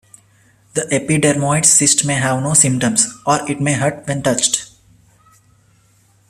The epidermoid cyst may have no symptoms, or it may hurt when touched.